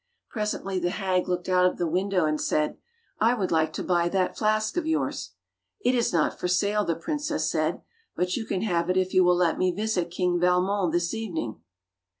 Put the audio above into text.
Presently the hag looked out of the win dow, and said, 'T would like to buy that flask of yours." 'Tt is not for sale," the princess said, ''but you can have it if you will let me visit King Valmon this evening."